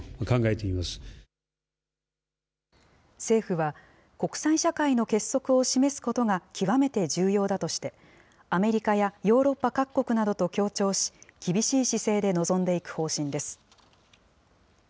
政府は、国際社会の結束を示すことが極めて重要だとして、アメリカやヨーロッパ各国などと協調し、厳しい姿勢で臨んでいく方針です。